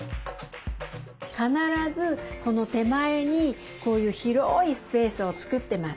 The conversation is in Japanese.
必ずこの手前にこういう広いスペースを作ってます。